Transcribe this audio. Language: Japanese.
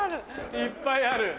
いっぱいある。